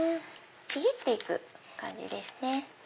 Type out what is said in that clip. ちぎって行く感じですね。